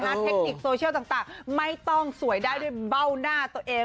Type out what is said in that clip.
เทคนิคโซเชียลต่างไม่ต้องสวยได้ด้วยเบ้าหน้าตัวเอง